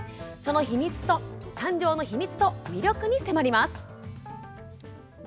その誕生の秘密と魅力に迫ります。